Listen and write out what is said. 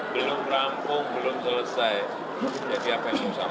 belum rampung belum selesai jadi apa yang saya mau katakan